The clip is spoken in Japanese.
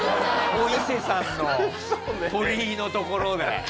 お伊勢さんの鳥居の所で。